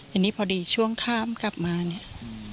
ทีนี้พอดีช่วงข้ามกลับมาเนี่ย